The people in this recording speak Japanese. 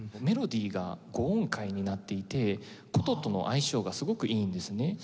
メロディーが５音階になっていて箏との相性がすごくいいんですね。